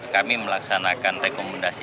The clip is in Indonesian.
kami melaksanakan rekomendasi